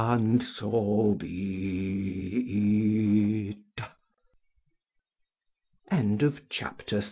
And so be it. Chapter 2.